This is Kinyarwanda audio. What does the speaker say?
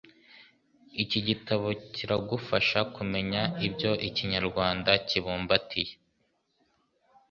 Iki gitabo kiragufasha kumenya ibyo Ikinyarwanda kibumbatiye,